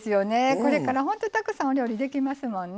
これから本当にたくさんお料理できますもんね。